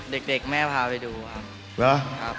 เด็กแม่พาไปดูครับ